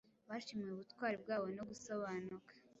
Bashimiwe ubutwari bwabo no gusobanuka